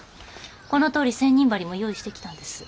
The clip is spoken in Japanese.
このとおり千人針も用意してきたんです。